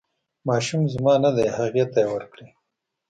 ماشوم زما نه دی هغې ته یې ورکړئ.